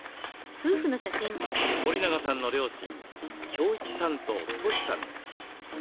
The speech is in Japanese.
森永さんの両親京一さんとトシさんです。